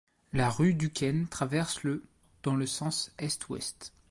La rue Duquesne traverse le dans le sens est-ouest.